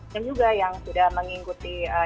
dan juga yang sudah mengikuti